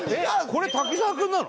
これ滝沢君なの？